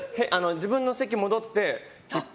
自分の席に戻って、切符。